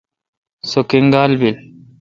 سو کنگال بیل۔